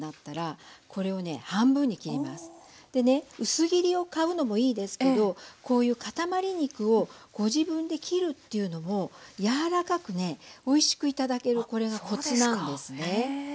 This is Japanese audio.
薄切りを買うのもいいですけどこういうかたまり肉をご自分で切るっていうのも柔らかくねおいしく頂けるこれがコツなんですね。